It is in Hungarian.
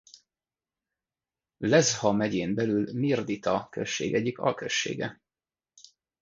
Lezha megyén belül Mirdita község egyik alközsége.